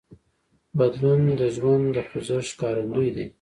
بدلون د ژوند د خوځښت ښکارندوی دی.